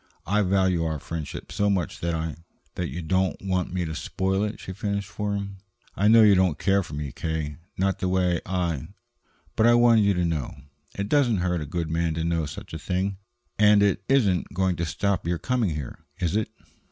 I value our friendship so much that I " "That you don't want me to spoil it," she finished for him. "I know you don't care for me, K., not the way I But I wanted you to know. It doesn't hurt a good man to know such a thing. And it isn't going to stop your coming here, is it?"